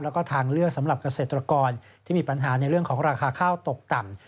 แล้วก็ทางเลือกสำหรับเกษตรกรที่มีปัญหาในเรื่องของราคาข้าวตกต่ำ